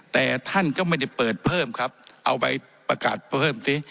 แต่ท่านก็ไม่ได้เปิดเพิ่มครับเอาไปประกาศเพิ่มสิ